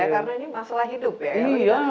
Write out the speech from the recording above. karena ini masalah hidup ya